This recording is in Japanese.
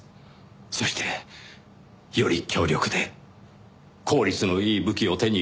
そしてより強力で効率のいい武器を手に入れようとする。